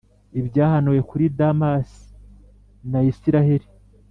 Ibyahanuwe kuri Damasi na Israheli